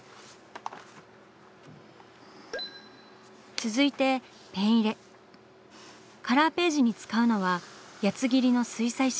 続いてカラーページに使うのは八つ切りの水彩紙。